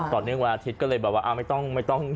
ตอนนี้วันอาทิตย์ก็เลยไม่ต้อง